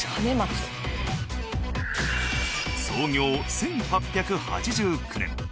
創業１８８９年。